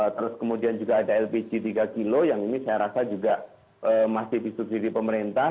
terus kemudian juga ada lpg tiga kg yang ini saya rasa juga masih disubsidi pemerintah